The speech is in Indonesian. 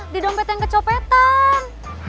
di dompet yang kecopetan